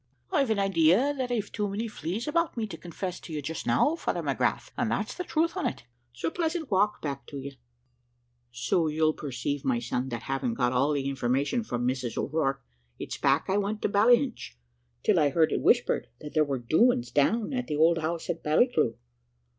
"`I've an idea that I've too many fleas about me to confess to you just now, Father McGrath, and that's the truth on it. So a pleasant walk back to you.' "So you'll perceive, my son, that having got all the information from Mrs O'Rourke, it's back I went to Ballyhinch, till I heard it whispered that there were doings down at the old house at Ballycleuch.